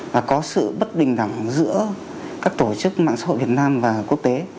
và có sự bất bình đẳng giữa các tổ chức mạng xã hội việt nam và quốc tế